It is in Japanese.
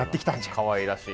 かわいらしい。